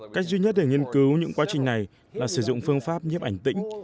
cách duy nhất để nghiên cứu những quá trình này là sử dụng phương pháp nhiếp ảnh tĩnh